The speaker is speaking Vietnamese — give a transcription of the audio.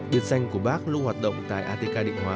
biệt danh của bác luôn hoạt động tại atk định hóa